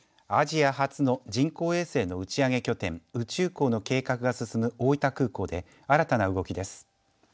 アジア初の人工衛星の打ち上げ拠点宇宙港の計画が進む大分空港で新たな動きです。